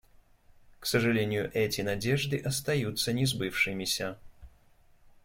К сожалению, эти надежды остаются несбывшимися.